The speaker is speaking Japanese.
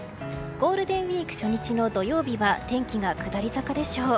ゴールデンウィーク初日の土曜日は天気が下り坂でしょう。